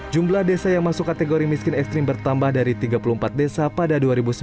jumlah desa yang masuk kategori miskin ekstrim bertambah dari tiga puluh empat desa pada dua ribu sembilan belas